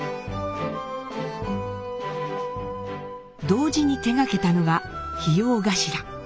同時に手がけたのが「日傭頭」。